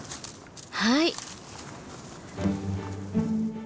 はい。